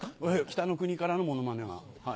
北の国からのものまねは。